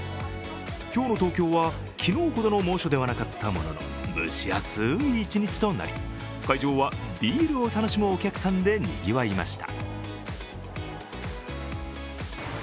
今日の東京は昨日ほどの猛暑ではなかったものの蒸し暑い一日となり会場はビールを楽しむお客さんでにぎわいました。